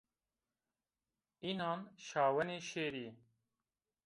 Înan şawenê şêrî